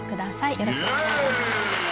よろしくお願いします。